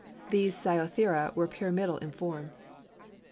These Sciothera were pyramidal in form.